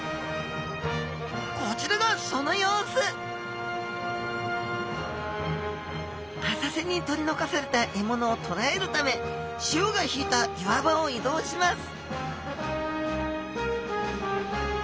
こちらがその様子浅瀬に取り残された獲物をとらえるため潮が引いた岩場を移動します